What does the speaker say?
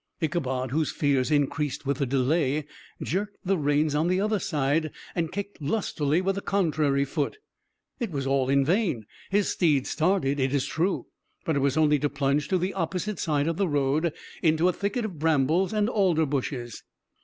Ichabod, whose fears increased with the delay, jerked the reins on the other side, and kicked lustily with the contrary foot. It was all in vain; his steed started, it is true, but it was only to plunge to the opposite side of the road into a thicket of brambles and alder bushes.